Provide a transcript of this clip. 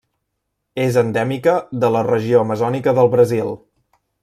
És endèmica de la regió amazònica del Brasil.